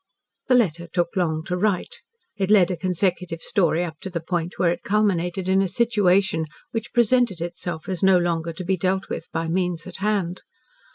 ..... The letter took long to write. It led a consecutive story up to the point where it culminated in a situation which presented itself as no longer to be dealt with by means at hand.